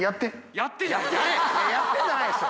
「やって」じゃないでしょ。